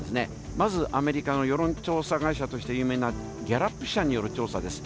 まずアメリカの世論調査会社として有名なギャラップ社による調査です。